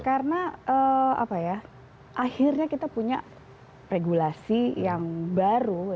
karena akhirnya kita punya regulasi yang baru